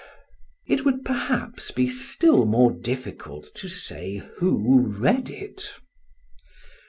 It would perhaps be still more difficult to say who read it.